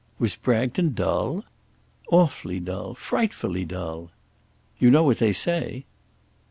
"Was Bragton dull?" "Awfully dull; frightfully dull." "You know what they say?"